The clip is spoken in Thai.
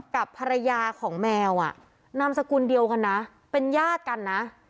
กับภรรยาของแมวอ่ะนามสกุลเดียวกันนะเป็นญาติกันนะ